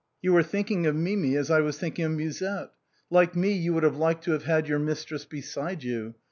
You were thinking of ]\Iimi as I was thinking of Musette. Like me, you would have liked to have had your mistress beside you.